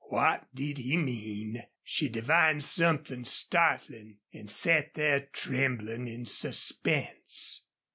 What did he mean? She divined something startling, and sat there trembling in suspense.